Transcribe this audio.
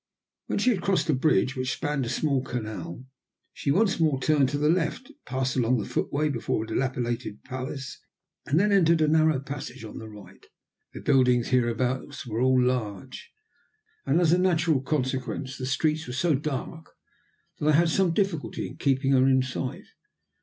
When she had crossed a bridge, which spanned a small canal, she once more turned to the left, passed along the footway before a dilapidated palace, and then entered a narrow passage on the right. The buildings hereabouts were all large, and, as a natural consequence, the streets were so dark that I had some difficulty in keeping her in sight.